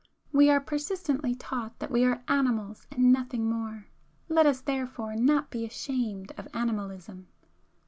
We are persistently taught that we are animals and nothing more,—let us therefore not be ashamed of animalism.